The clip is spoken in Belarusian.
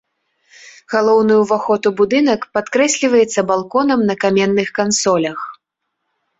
Галоўны ўваход у будынак падкрэсліваецца балконам на каменных кансолях.